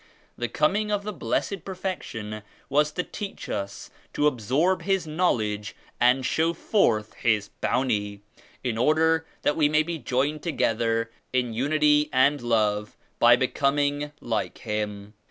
The Coming of the Blessed Perfection was to teach us to absorb * His Knowledge and show forth His Bounty, in order that we may be joined together in Unity and Love by becoming like Him.